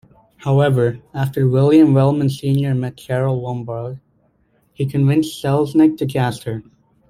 However, after William Wellman Senior met Carole Lombard, he convinced Selznick to cast her.